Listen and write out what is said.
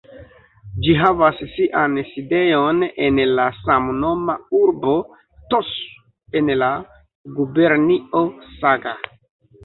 Ĝi havas sian sidejon en la samnoma urbo "Tosu" en la gubernio Saga.